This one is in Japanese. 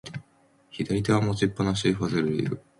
左手は持ちっぱなし、ファズリウ。